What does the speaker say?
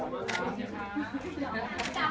ขอสายตาซ้ายสุดด้วยครับ